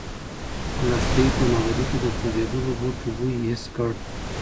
لښتې په نغري کې د سوزېدلو بوټو بوی حس کړ.